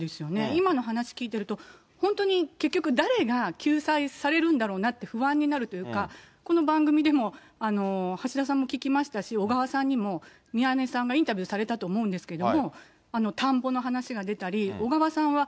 今の話聞いていると、本当に結局、誰が救済されるんだろうなって不安になるというか、この番組でも橋田さんも聞きましたし、小川さんにも宮根さんがインタビューされたと思うんですけれども、田んぼの話が出たり、小川さんは、